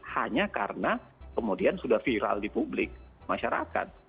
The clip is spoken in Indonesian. hanya karena kemudian sudah viral di publik masyarakat